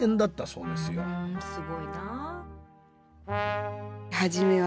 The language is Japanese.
うんすごいな。